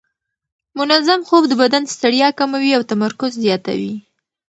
منظم خوب د بدن ستړیا کموي او تمرکز زیاتوي.